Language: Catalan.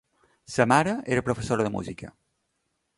La seva mare era professora de música.